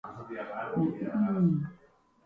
Va tornar a València?